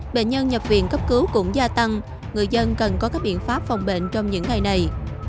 bệnh nhân nhập viện cấp cứu cũng gia tăng người dân cần có các biện pháp phòng bệnh trong những ngày này